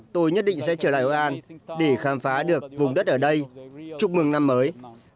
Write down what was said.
tôi nhất định sẽ trở lại hội an để khám phá được vùng đất ở đây chúc mừng năm mới